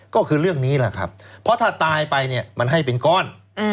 ก็คือเรื่องนี้แหละครับเพราะถ้าตายไปเนี่ยมันให้เป็นก้อน